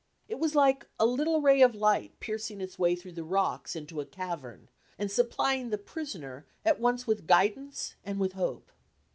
It was like a little ray of light piercing its way through the rocks into a cavern and supplying the prisoner at once with guidance and with hope.